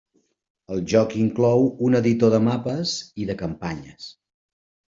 El joc inclou un editor de mapes i de campanyes.